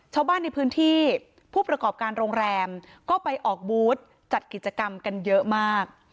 ชาวบ้านในพื้นที่ผู้ประกอบการโรงแรมก็ไปออกบูธจัดกิจกรรมกันเยอะมาก